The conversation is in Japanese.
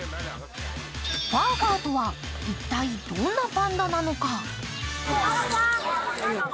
ファーファーとは一体どんなパンダなのか。